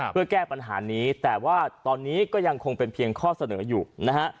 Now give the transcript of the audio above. เพื่อแก้ปัญหานี้แต่ว่าตอนนี้ก็ยังคงเป็นเพียงข้อเสนออยู่นะฮะ